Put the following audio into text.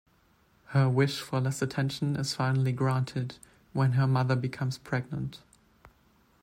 Her wish for less attention is finally granted when her mother becomes pregnant.